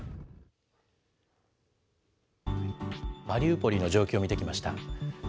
マリウポリの状況を見てきました。